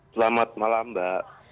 selamat malam mbak